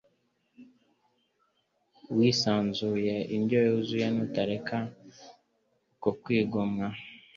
wisanzuye, indyo yuzuye. Nutareka uko kwigomwa,